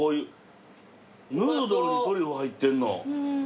ヌードルにトリュフ入ってんの。